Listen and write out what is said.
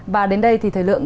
và đến đây thì thời lượng